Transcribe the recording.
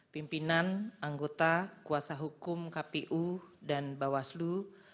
pimpinan anggota kuasa hukum kpu dan bawaslu